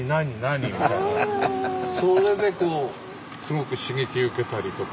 それですごく刺激受けたりとか。